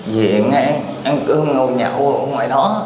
về ngang ăn cơm ngồi nhậu ở ngoài đó